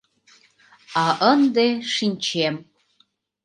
А, ынде шинчем!